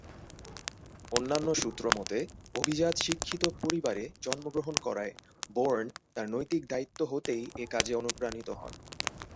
অন্যান্য সূত্রমতে অভিজাত শিক্ষিত পরিবারে জন্মগ্রহণ করায় বোর্ন তার নৈতিক দায়িত্ব হতেই এ কাজে অনুপ্রাণিত হন।